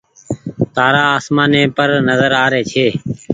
تآرآ آسمآني پر نزر آري ڇي۔